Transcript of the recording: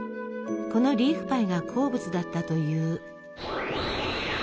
このリーフパイが好物だったという。